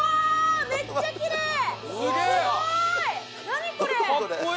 めっちゃきれいすげえ！